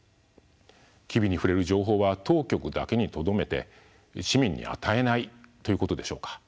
機微に触れる情報は当局だけにとどめて市民に与えないということでしょうか。